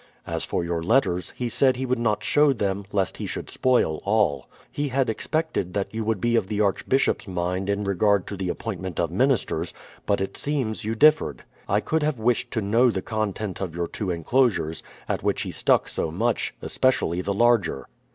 As for your letters, he said he would not show them, lest he should spoil all. He had expected that you would be of the Archbishop's mind in regard to the appointment of ministers; but it seems you differed. I could have wished to know the contents of your two enclosures, at which he stuck so much, — especially the larger.